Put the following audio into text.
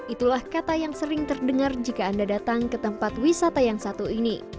itulah kata yang sering terdengar jika anda datang ke tempat wisata yang satu ini